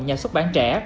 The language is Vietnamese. nhà xuất bản trẻ